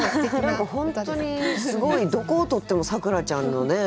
何か本当にすごいどこをとっても咲楽ちゃんのね